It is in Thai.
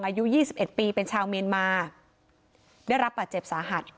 อายุยี่สิบเอ็ดปีเป็นชาวเมรมาได้รับปัจจศหัด